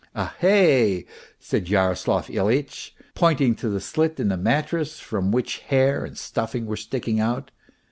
" A hey !" said Yaroslav Ilyitch, pointing to a slit in the mattress from which hair and stuffing were sticking out.